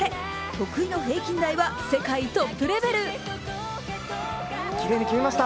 得意の平均台は世界トップレベル。